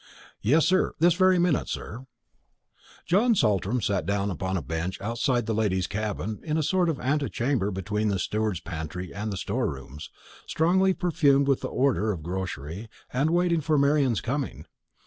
"Yes, sir, this very minute, sir." John Saltram sat down upon a bench outside the ladies' cabin, in a sort of antechamber between the steward's pantry and store rooms, strongly perfumed with the odour of grocery, and waited for Marian's coming.